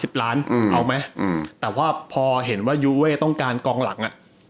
ถือละ๓๐ล้านเอาไหมแต่ว่าพอเห็นว่ายูเว้ต้องการกองหลัง